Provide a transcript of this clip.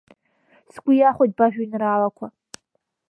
Сгәы иахәеит бажәеинраалақәа!